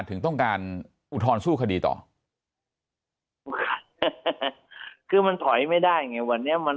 ถึงต้องการอุทธรณ์สู้คดีต่อคือมันถอยไม่ได้ไงวันนี้มัน